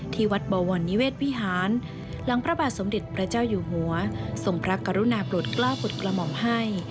ที่วัดบวรนิเวศวิหารหลังพระบาทสมเด็จพระเจ้าอยู่หัวทรงพระกรุณาปลดกล้าปลดกระหม่อมให้